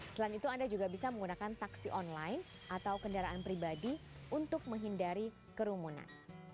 selain itu anda juga bisa menggunakan taksi online atau kendaraan pribadi untuk menghindari kerumunan